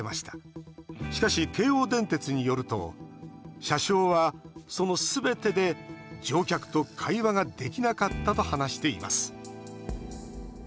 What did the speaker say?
しかし京王電鉄によると車掌は、そのすべてで乗客と会話ができなかったと話しています。